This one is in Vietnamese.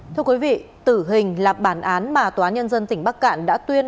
thưa quý vị tử hình là bản án mà tòa nhân dân tỉnh bắc cạn đã tuyên